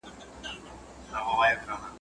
باغ چي لاښ سي، باغوان ئې خوار سي.